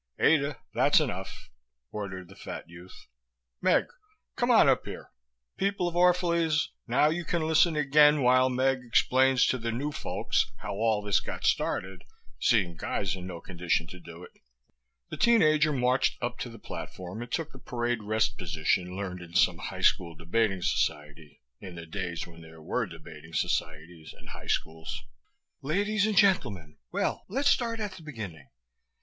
"Ada, that's enough," ordered the fat youth. "Meg, come on up here. People of Orphalese, now you can listen again while Meg explains to the new folks how all this got started, seeing Guy's in no condition to do it." The teen ager marched up to the platform and took the parade rest position learned in some high school debating society in the days when there were debating societies and high schools. "Ladies and gentlemen, well, let's start at the beginning.